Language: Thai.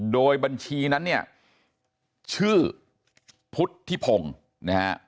โดยบัญชีนั้นเนี่ยชื่อพุทธิพงศ์นะฮะ